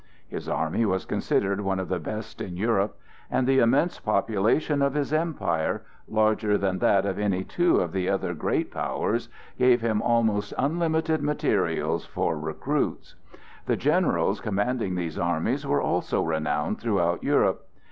His army was considered one of the best in Europe, and the immense population of his empire—larger than that of any two of the other great powers—gave him almost unlimited material for recruits. The generals commanding these armies were also renowned throughout Europe.